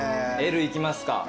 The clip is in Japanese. Ｌいきますか。